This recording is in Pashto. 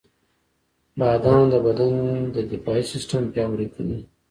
• بادام د بدن د دفاعي سیستم پیاوړی کوي.